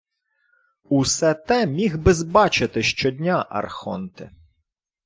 — Усе те міг би-с бачити щодня, архонте...